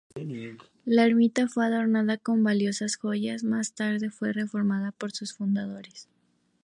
La Ermita fue adornada con valiosas joyas, más tarde fue reformada por sus fundadores.